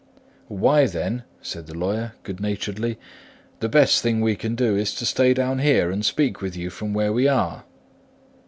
"Why, then," said the lawyer, good naturedly, "the best thing we can do is to stay down here and speak with you from where we are."